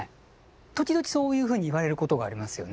時々そういうふうに言われることがありますよね。